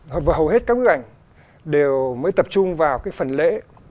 hầu hết các bức ảnh đều mới tập trung vào phần lễ